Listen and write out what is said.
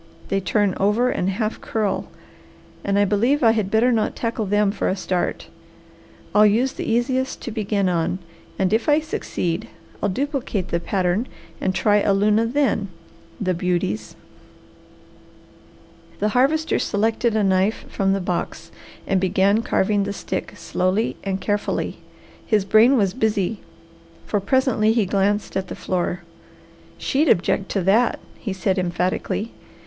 They turn over and half curl and I believe I had better not tackle them for a start. I'll use the easiest to begin on, and if I succeed I'll duplicate the pattern and try a luna then. The beauties!" The Harvester selected a knife from the box and began carving the stick slowly and carefully. His brain was busy, for presently he glanced at the floor. "She'd object to that!" he said emphatically.